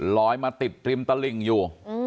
ลอยมาติดริมตลิ่งอยู่